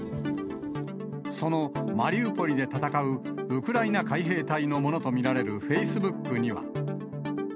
そのマリウポリで戦うウクライナ海兵隊のものと見られるフェイスブックには。